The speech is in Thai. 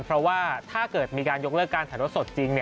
เพราะว่าถ้าเกิดมีการยกเลิกการถ่ายรถสดจริง